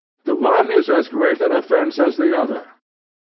The one is as great an offense as the other.